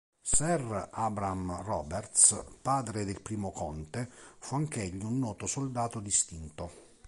Sir Abraham Roberts, padre del primo conte, fu anch'egli un noto soldato distinto.